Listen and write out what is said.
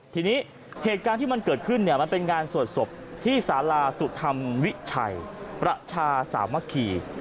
ทีนี้เหตุการณ์ที่มันเกิดขึ้นมันเป็นงานสวดที่สารสุธรรมวิญญาณประชาสามคี